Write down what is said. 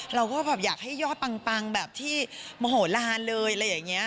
เราก็แบบอยากให้ยอดปังแบบที่โมโหลานเลยอะไรอย่างนี้